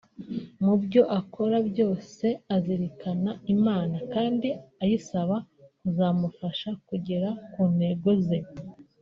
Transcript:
mu byo akora byose azirikana Imana kandi ayisaba kuzamufasha kugera ku ntego ze